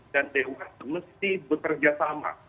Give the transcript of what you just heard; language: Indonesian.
dan dewan mesti bekerjasama